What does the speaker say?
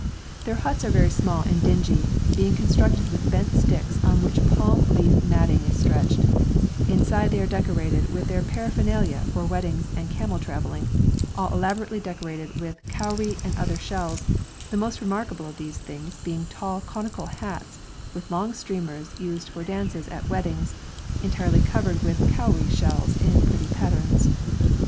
Their huts are very small and dingy, being constructed with bent sticks on which palm leaf matting is stretched; inside they are decorated with their paraphernalia for weddings and camel travelling, all elaborately decorated with cowrie and other shells, the most remarkable of these things being the tall conical hats with long streamers used for dances at weddings, entirely covered with cowrie shells in pretty patterns.